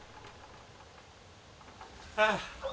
ああ。